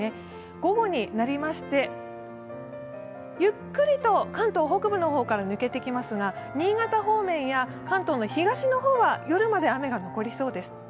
午後になりまして、ゆっくりと関東北部の方から抜けていきますが新潟方面や関東の東の方は夜まで雨が残りそうです。